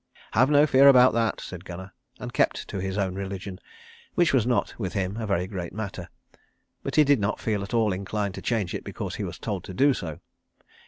"Have no fear about that," said Gunnar, and kept to his own religion, which was not, with him, a very great matter. But he did not feel at all inclined to change it because he was told to do so.